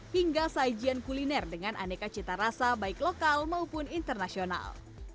hingga sajian kuliner dengan aneka cita rasa baik lokal maupun internasional